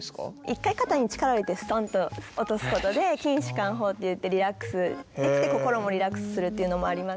一回肩に力を入れてストンと落とすことで筋しかん法っていってリラックスできて心もリラックスするっていうのもあります。